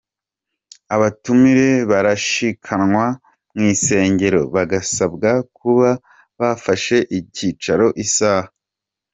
Abatumire barashikanwa mw'isengero, bagasabwa kuba bafashe icicaro isaha ;.